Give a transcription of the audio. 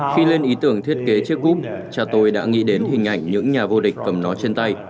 khi lên ý tưởng thiết kế chiếc goop cha tôi đã nghĩ đến hình ảnh những nhà vô địch cầm nói trên tay